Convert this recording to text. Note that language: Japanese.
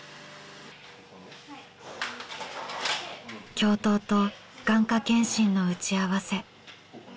教頭と眼科検診の打ち合わせ。